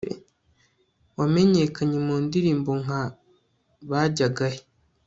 wamenyekanye mu ndirimbo nka bajyagahe